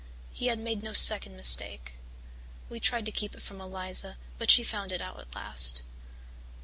He had made no second mistake. We tried to keep it from Eliza but she found it out at last.